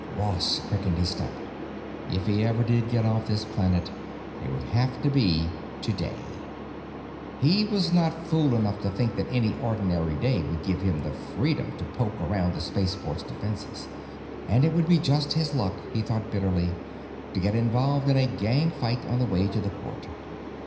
Ross quickened his step. If he ever did get off this planet, it would have to be today; he was not fool enough to think that any ordinary day would give him the freedom to poke around the spaceport's defenses. And it would be just his luck, he thought bitterly, to get involved in a gang fight on the way to the port.